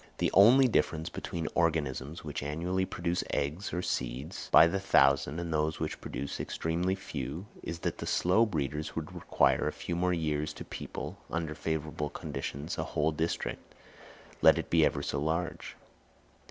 The only difference between organisms which annually produce eggs or seeds by the thousand, and those which produce extremely few, is, that the slow breeders would require a few more years to people, under favourable conditions, a whole district, let it be ever so large.